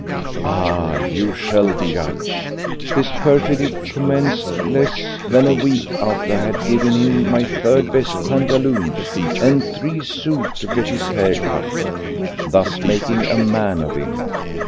Ah, you shall judge! His perfidy commenced less than a week after I had given him my third best pantaloons and three sous to get his hair cut, thus making a man of him.